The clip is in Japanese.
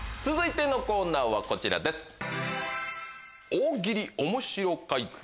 続いてのコーナーはこちらです。